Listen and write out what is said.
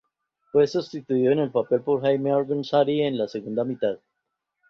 Fue sustituido en el papel por Jaime Alguersuari en la segunda mitad.